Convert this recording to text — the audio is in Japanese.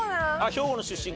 兵庫の出身か。